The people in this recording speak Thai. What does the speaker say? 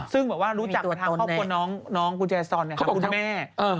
ซึ่งบอกว่ารู้จักมาทางครอบครัวน้องกูแจ้สอนคุณแม่